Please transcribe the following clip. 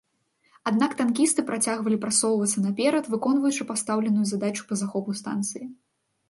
Аднак танкісты працягвалі прасоўвацца наперад, выконваючы пастаўленую задачу па захопу станцыі.